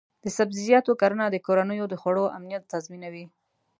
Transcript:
د سبزیجاتو کرنه د کورنیو د خوړو امنیت تضمینوي.